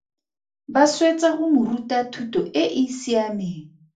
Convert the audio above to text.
Ba swetsa go mo ruta thuto e e siameng.